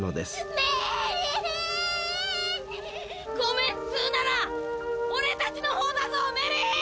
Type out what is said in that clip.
「ごめんっつうなら俺たちの方だぞメリー！」